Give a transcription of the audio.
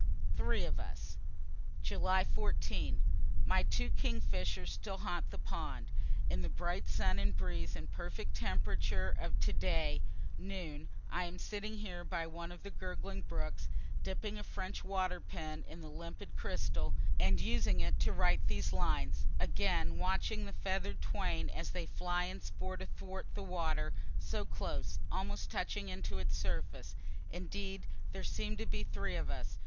THREE OF US July 14. My two kingfishers still haunt the pond. In the bright sun and breeze and perfect temperature of to day, noon, I am sitting here by one of the gurgling brooks, dipping a French water pen in the limpid crystal, and using it to write these lines, again watching the feather'd twain, as they fly and sport athwart the water, so close, almost touching into its surface. Indeed there seem to be three of us.